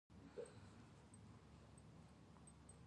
په دې سره نه یوازې دا چې کاري ساعتونه اوږده شي